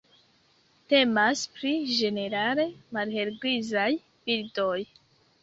Temas pri ĝenerale malhelgrizaj birdoj.